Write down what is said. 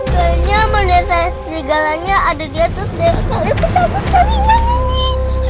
kayaknya manusia serigalanya ada di atas jalan yang sangat sangat seringan ini